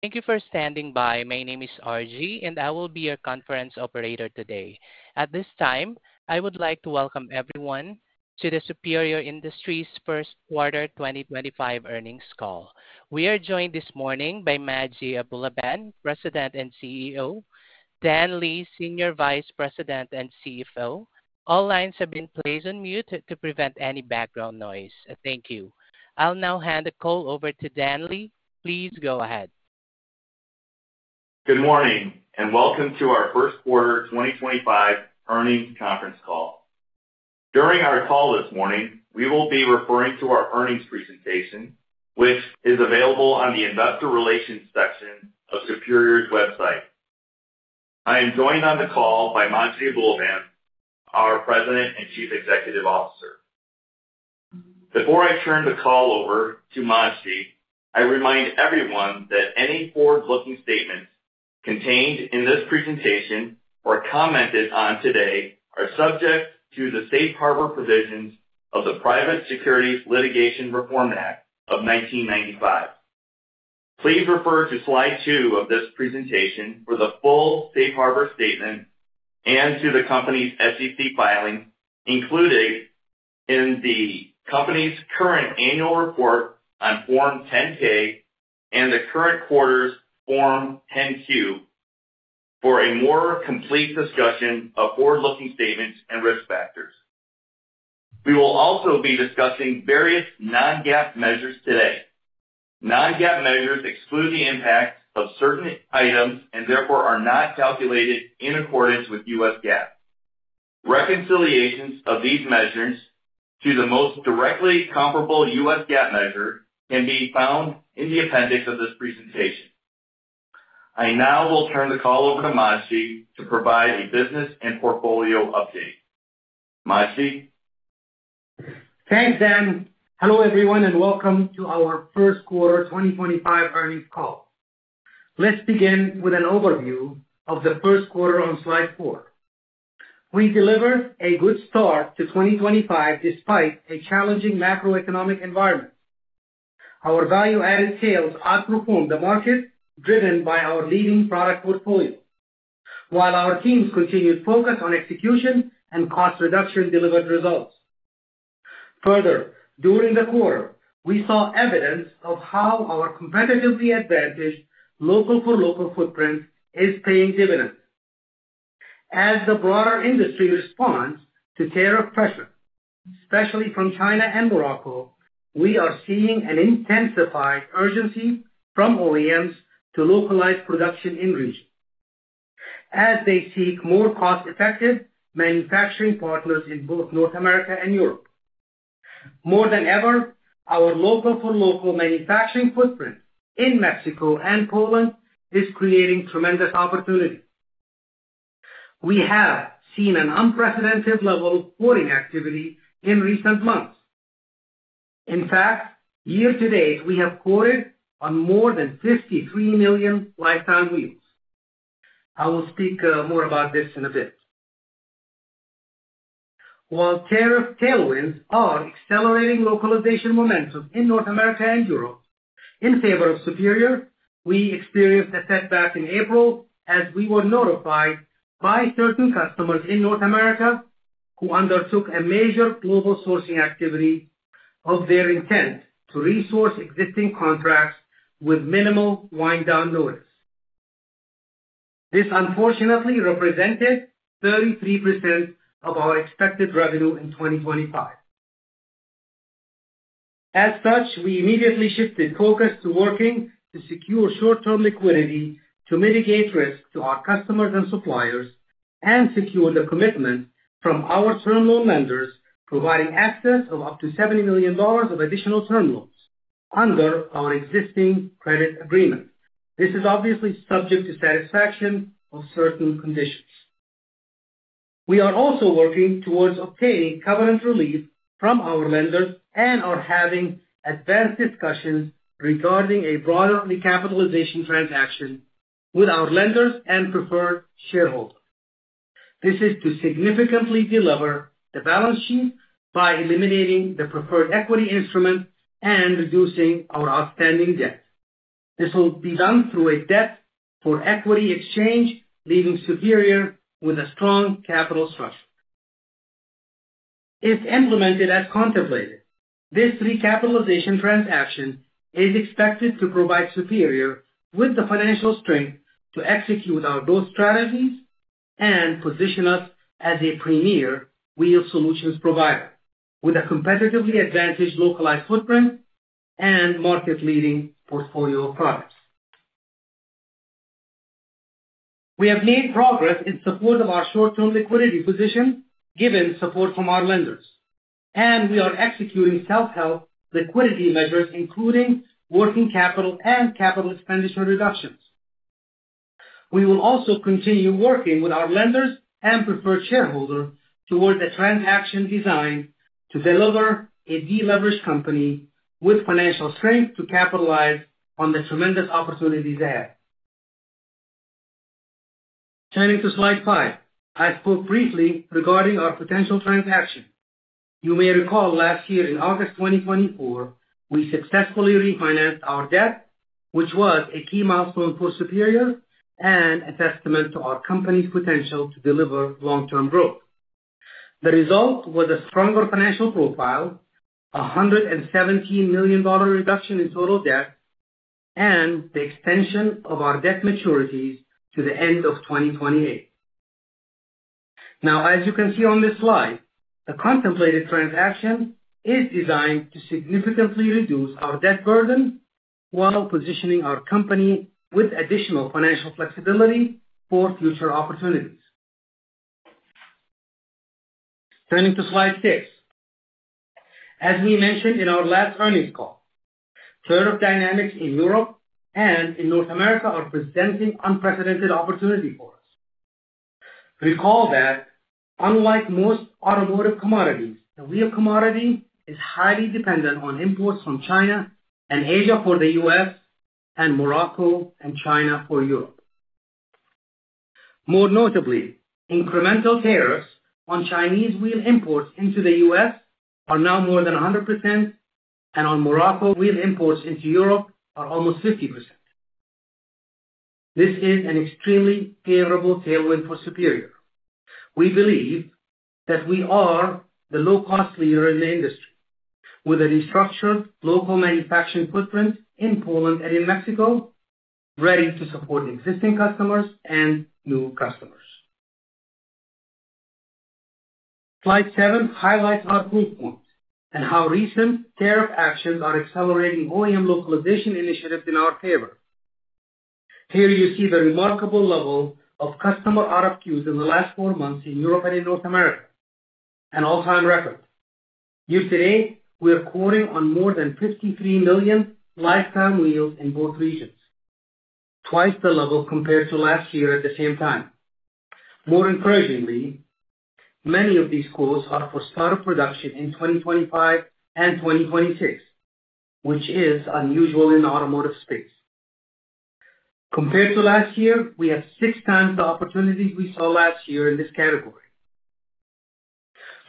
Thank you for standing by. My name is RG, and I will be your conference operator today. At this time, I would like to welcome everyone to the Superior Industries First Quarter 2025 Earnings Call. We are joined this morning by Majdi Abulaban, President and CEO, and Dan Lee, Senior Vice President and CFO. All lines have been placed on mute to prevent any background noise. Thank you. I'll now hand the call over to Dan Lee. Please go ahead. Good morning and welcome to our First Quarter 2025 Earnings Conference Call. During our call this morning, we will be referring to our earnings presentation, which is available on the Investor Relations section of Superior's website. I am joined on the call by Majdi Abulaban, our President and Chief Executive Officer. Before I turn the call over to Majdi, I remind everyone that any forward-looking statements contained in this presentation or commented on today are subject to the safe harbor provisions of the Private Securities Litigation Reform Act of 1995. Please refer to slide 2 of this presentation for the full safe harbor statement and to the company's SEC filing included in the company's current annual report on Form 10-K and the current quarter's Form 10-Q for a more complete discussion of forward-looking statements and risk factors. We will also be discussing various non-GAAP measures today. Non-GAAP measures exclude the impact of certain items and therefore are not calculated in accordance with U.S. GAAP. Reconciliations of these measures to the most directly comparable U.S. GAAP measure can be found in the appendix of this presentation. I now will turn the call over to Majdi to provide a business and portfolio update. Majdi? Thanks, Dan. Hello everyone and welcome to our First Quarter 2025 Earnings Call. Let's begin with an overview of the first quarter on slide 4. We delivered a good start to 2025 despite a challenging macroeconomic environment. Our value-added sales outperformed the market driven by our leading product portfolio, while our team's continued focus on execution and cost reduction delivered results. Further, during the quarter, we saw evidence of how our competitively advantaged local-for-local footprint is paying dividends. As the broader industry responds to tariff pressure, especially from China and Morocco, we are seeing an intensified urgency from OEMs to localize production in-region as they seek more cost-effective manufacturing partners in both North America and Europe. More than ever, our local-for-local manufacturing footprint in Mexico and Poland is creating tremendous opportunity. We have seen an unprecedented level of quoting activity in recent months. In fact, year to date, we have quoted on more than 53 million lifetime wheels. I will speak more about this in a bit. While tariff tailwinds are accelerating localization momentum in North America and Europe in favor of Superior, we experienced a setback in April as we were notified by certain customers in North America who undertook a major global sourcing activity of their intent to resource existing contracts with minimal wind-down notice. This unfortunately represented 33% of our expected revenue in 2025. As such, we immediately shifted focus to working to secure short-term liquidity to mitigate risk to our customers and suppliers and secure the commitment from our term loan lenders providing access of up to $70 million of additional term loans under our existing credit agreement. This is obviously subject to satisfaction of certain conditions. We are also working towards obtaining covenant relief from our lenders and are having advanced discussions regarding a broader recapitalization transaction with our lenders and preferred shareholders. This is to significantly de-lever the balance sheet by eliminating the preferred equity instrument and reducing our outstanding debt. This will be done through a debt for equity exchange leaving Superior with a strong capital structure. If implemented as contemplated, this recapitalization transaction is expected to provide Superior with the financial strength to execute our growth strategies and position us as a premier wheel solutions provider with a competitively advantaged localized footprint and market-leading portfolio of products. We have made progress in support of our short-term liquidity position given support from our lenders, and we are executing self-help liquidity measures including working capital and capital expenditure reductions. We will also continue working with our lenders and preferred shareholders towards a transaction designed to de-lever a deleveraged company with financial strength to capitalize on the tremendous opportunities ahead. Turning to slide 5, I spoke briefly regarding our potential transaction. You may recall last year in August 2024, we successfully refinanced our debt, which was a key milestone for Superior and a testament to our company's potential to deliver long-term growth. The result was a stronger financial profile, a $117 million reduction in total debt, and the extension of our debt maturities to the end of 2028. Now, as you can see on this slide, the contemplated transaction is designed to significantly reduce our debt burden while positioning our company with additional financial flexibility for future opportunities. Turning to slide 6, as we mentioned in our last earnings call, tariff dynamics in Europe and in North America are presenting unprecedented opportunity for us. Recall that unlike most automotive commodities, the wheel commodity is highly dependent on imports from China and Asia for the U.S. and Morocco and China for Europe. More notably, incremental tariffs on Chinese wheel imports into the U.S. are now more than 100%, and on Morocco wheel imports into Europe are almost 50%. This is an extremely favorable tailwind for Superior. We believe that we are the low-cost leader in the industry with a restructured local manufacturing footprint in Poland and in Mexico, ready to support existing customers and new customers. Slide 7 highlights our proof points and how recent tariff actions are accelerating OEM localization initiatives in our favor. Here you see the remarkable level of customer RFQs in the last four months in Europe and in North America, an all-time record. Year to date, we are quoting on more than 53 million lifetime wheels in both regions, twice the level compared to last year at the same time. More encouragingly, many of these quotes are for startup production in 2025 and 2026, which is unusual in the automotive space. Compared to last year, we have six times the opportunities we saw last year in this category.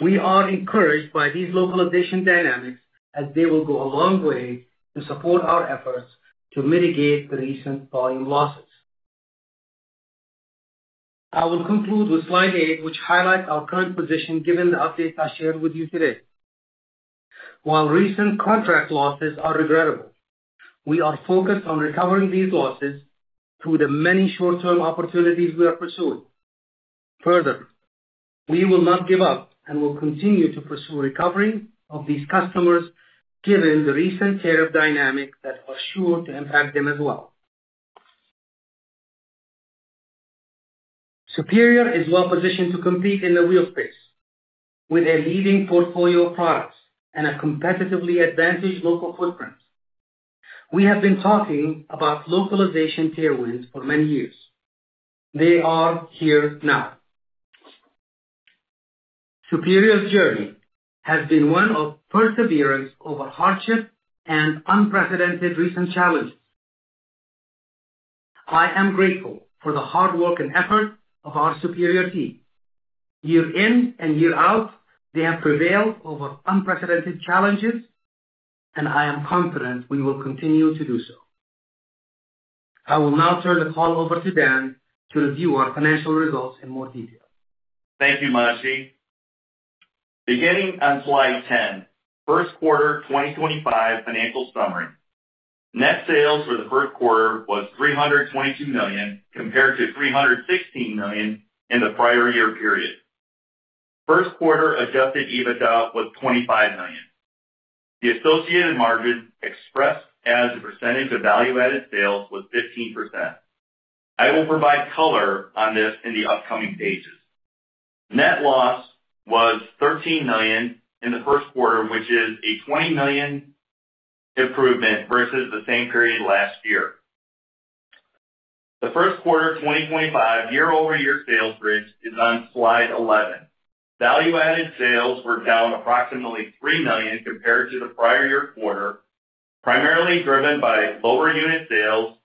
We are encouraged by these localization dynamics as they will go a long way to support our efforts to mitigate the recent volume losses. I will conclude with slide 8, which highlights our current position given the updates I shared with you today. While recent contract losses are regrettable, we are focused on recovering these losses through the many short-term opportunities we are pursuing. Further, we will not give up and will continue to pursue recovery of these customers given the recent tariff dynamics that are sure to impact them as well. Superior is well positioned to compete in the wheel space with a leading portfolio of products and a competitively advantaged local footprint. We have been talking about localization tailwinds for many years. They are here now. Superior's journey has been one of perseverance over hardship and unprecedented recent challenges. I am grateful for the hard work and effort of our Superior team. Year in and year out, they have prevailed over unprecedented challenges, and I am confident we will continue to do so. I will now turn the call over to Dan to review our financial results in more detail. Thank you, Majdi. Beginning on slide 10, First Quarter 2025 financial summary. Net sales for the first quarter was $322 million compared to $316 million in the prior year period. First quarter adjusted EBITDA was $25 million. The associated margin expressed as a percentage of value-added sales was 15%. I will provide color on this in the upcoming pages. Net loss was $13 million in the first quarter, which is a $20 million improvement versus the same period last year. The first quarter 2025 year-over-year sales range is on slide 11. Value-added sales were down approximately $3 million compared to the prior year quarter, primarily driven by lower unit sales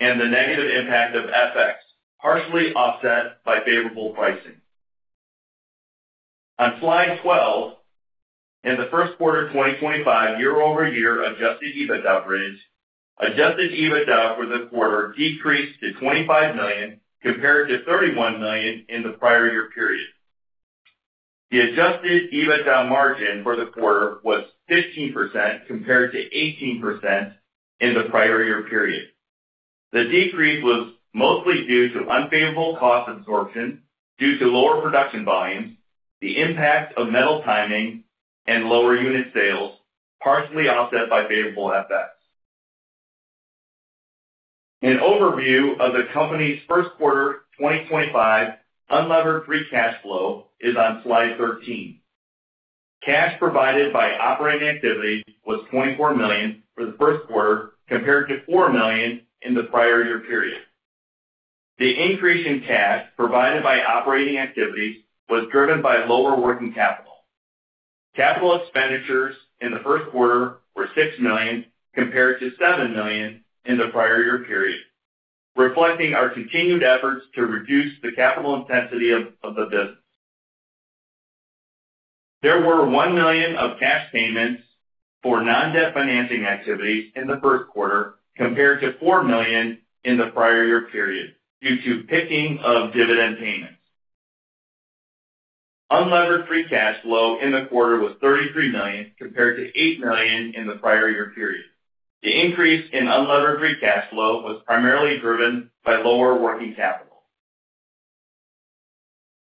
and the negative impact of FX, partially offset by favorable pricing. On slide 12, in the first quarter 2025 year-over-year adjusted EBITDA range, adjusted EBITDA for the quarter decreased to $25 million compared to $31 million in the prior year period. The adjusted EBITDA margin for the quarter was 15% compared to 18% in the prior year period. The decrease was mostly due to unfavorable cost absorption due to lower production volumes, the impact of metal timing, and lower unit sales, partially offset by favorable FX. An overview of the company's first quarter 2025 unlevered free cash flow is on slide 13. Cash provided by operating activity was $24 million for the first quarter compared to $4 million in the prior year period. The increase in cash provided by operating activities was driven by lower working capital. Capital expenditures in the first quarter were $6 million compared to $7 million in the prior year period, reflecting our continued efforts to reduce the capital intensity of the business. There were $1 million of cash payments for non-debt financing activities in the first quarter compared to $4 million in the prior year period due to timing of dividend payments. Unlevered free cash flow in the quarter was $33 million compared to $8 million in the prior year period. The increase in unlevered free cash flow was primarily driven by lower working capital.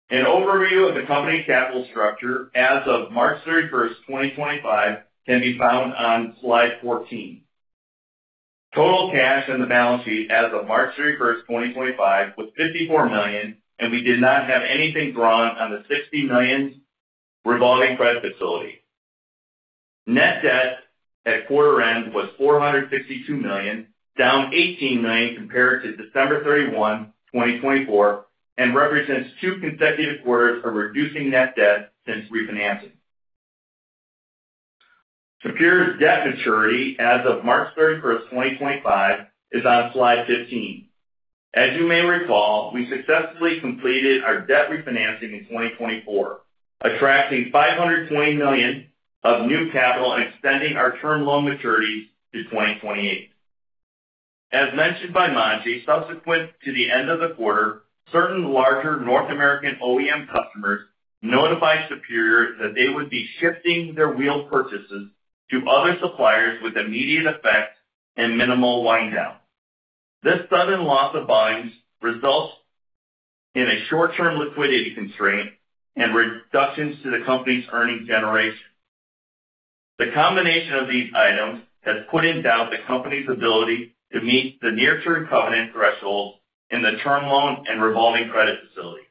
An overview of the company's capital structure as of March 31, 2025, can be found on slide 14. Total cash in the balance sheet as of March 31st, 2025, was $54 million, and we did not have anything drawn on the $60 million revolving credit facility. Net debt at quarter end was $462 million, down $18 million compared to December 31, 2024, and represents two consecutive quarters of reducing net debt since refinancing. Superior's debt maturity as of March 31st, 2025, is on slide 15. As you may recall, we successfully completed our debt refinancing in 2024, attracting $520 million of new capital and extending our term loan maturities to 2028. As mentioned by Majdi, subsequent to the end of the quarter, certain larger North American OEM customers notified Superior that they would be shifting their wheel purchases to other suppliers with immediate effect and minimal wind-down. This sudden loss of volumes results in a short-term liquidity constraint and reductions to the company's earnings generation. The combination of these items has put in doubt the company's ability to meet the near-term covenant thresholds in the term loan and revolving credit facility.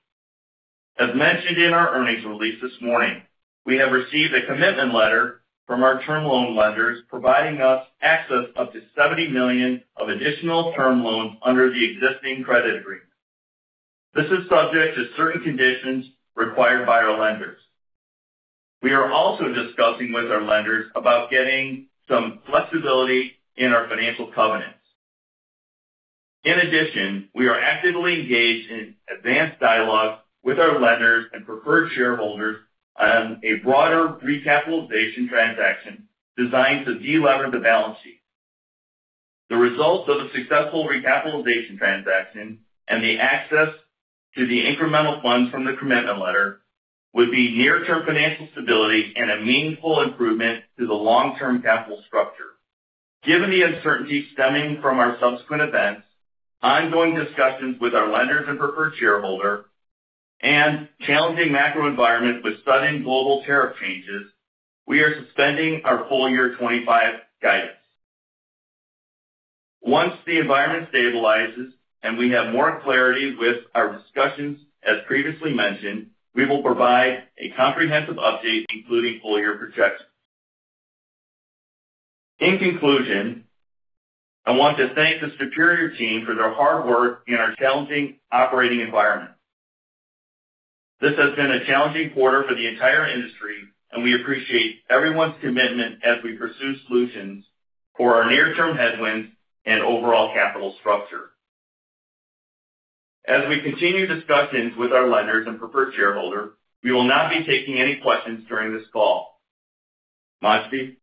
As mentioned in our earnings release this morning, we have received a commitment letter from our term loan lenders providing us access up to $70 million of additional term loans under the existing credit agreement. This is subject to certain conditions required by our lenders. We are also discussing with our lenders about getting some flexibility in our financial covenants. In addition, we are actively engaged in advanced dialogue with our lenders and preferred shareholders on a broader recapitalization transaction designed to de-lever the balance sheet. The results of a successful recapitalization transaction and the access to the incremental funds from the commitment letter would be near-term financial stability and a meaningful improvement to the long-term capital structure. Given the uncertainty stemming from our subsequent events, ongoing discussions with our lenders and preferred shareholders, and challenging macro environment with sudden global tariff changes, we are suspending our full year 2025 guidance. Once the environment stabilizes and we have more clarity with our discussions, as previously mentioned, we will provide a comprehensive update including full year projections. In conclusion, I want to thank the Superior team for their hard work in our challenging operating environment. This has been a challenging quarter for the entire industry, and we appreciate everyone's commitment as we pursue solutions for our near-term headwinds and overall capital structure. As we continue discussions with our lenders and preferred shareholders, we will not be taking any questions during this call. Majdi.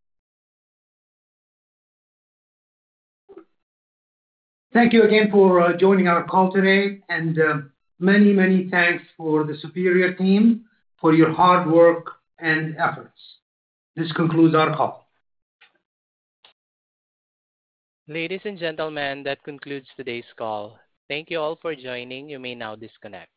Thank you again for joining our call today, and many, many thanks to the Superior team for your hard work and efforts. This concludes our call. Ladies and gentlemen, that concludes today's call. Thank you all for joining. You may now disconnect.